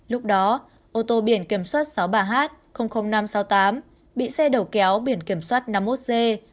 lúc đó ô tô biển kiểm soát sáu mươi ba h năm trăm sáu mươi tám bị xe đầu kéo biển kiểm soát năm mươi một g một mươi năm nghìn chín mươi